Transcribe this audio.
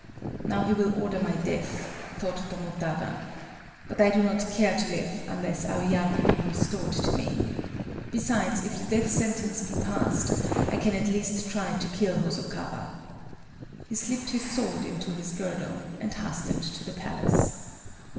"Now he will order my death," thought Tomotada;—"but I do not care to live unless Aoyagi be restored to me. Besides, if the death sentence be passed, I can at least try to kill Hosokawa." He slipped his swords into his girdle, and hastened to the palace.